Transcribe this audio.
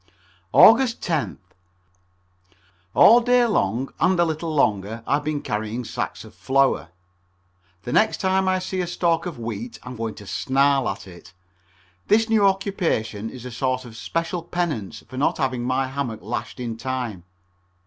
Aug. 10th. All day long and a little longer I have been carrying sacks of flour. The next time I see a stalk of wheat I am going to snarl at it. This new occupation is a sort of special penance for not having my hammock lashed in time.